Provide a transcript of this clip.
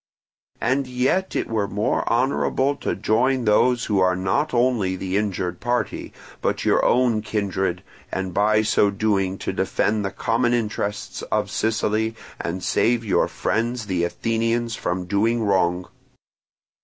And yet it were more honourable to join those who are not only the injured party, but your own kindred, and by so doing to defend the common interests of Sicily and save your friends the Athenians from doing wrong.